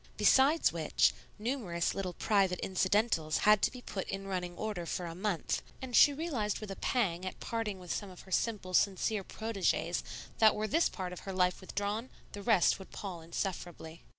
Besides which, numerous little private incidentals had to be put in running order for a month, and she realized with a pang at parting with some of her simple, sincere proteges that were this part of her life withdrawn, the rest would pall insufferably.